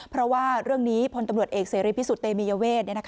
เพราะว่าเรื่องนี้พลตำรวจเอกเสรีพิสุทธิเตมียเวท